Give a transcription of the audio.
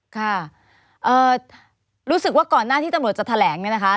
ค่ะรู้สึกว่าก่อนหน้าที่ตำรวจจะแถลงเนี่ยนะคะ